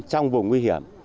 trong vùng nguy hiểm